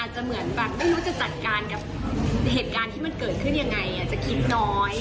อาจจะเหมือนแบบไม่รู้จะจัดการกับ